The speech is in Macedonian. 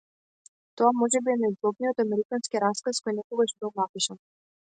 Тоа можеби е најзлобниот американски расказ кој некогаш бил напишан.